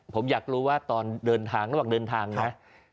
ผมอยากรู้ว่าตอนเดินทางระหว่างเดินทางนะ